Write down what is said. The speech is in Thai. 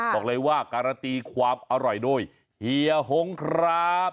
บอกเลยว่าการันตีความอร่อยโดยเฮียหงครับ